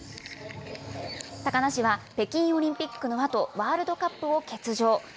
高梨は、北京オリンピックのあと、ワールドカップを欠場。